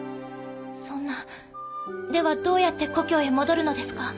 そんなではどうやって故郷へ戻るのですか？